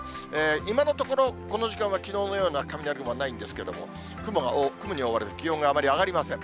今のところ、この時間はきのうのような雷雲はないんですけれども、雲に覆われて気温があまり上がりません。